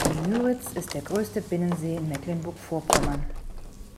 Die Müritz ist der größte Binnensee in Mecklenburg-Vorpommern.